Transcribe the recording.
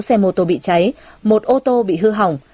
bốn xe mô tô bị cháy một ô tô bị hư hỏng